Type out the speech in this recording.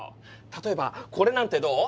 例えばこれなんてどう？